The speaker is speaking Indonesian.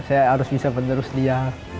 saya harus bisa menerus dia